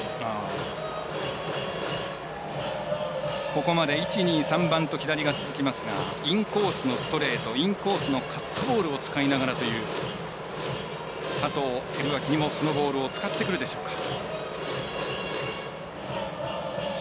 ここまで１、２、３番と左が続きますがインコースのストレートインコースのカットボールを使いながらという佐藤輝明にもそのボール使ってくるでしょうか。